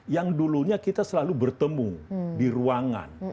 yang dulunya kita selalu bertemu di ruangan